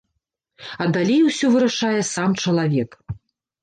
А далей усё вырашае сам чалавек.